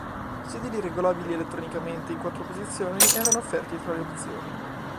I sedili regolabili elettricamente in quattro posizioni erano offerti tra le opzioni.